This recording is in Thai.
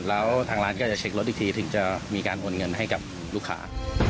แล้วทางร้านก็จะเช็ครถอีกทีถึงจะมีการโอนเงินให้กับลูกค้า